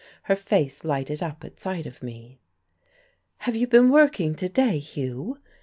Her face lighted up at sight of me. "Have you been working to day, Hugh?"